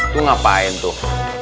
tuh ngapain tuh